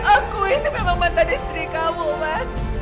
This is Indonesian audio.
aku ini memang mantan istri kamu mas